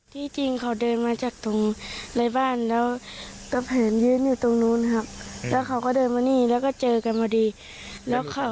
จริงเขาเดินมาจากตรงในบ้านแล้วก็แผนยืนอยู่ตรงนู้นครับแล้วเขาก็เดินมานี่แล้วก็เจอกันพอดีแล้วเขา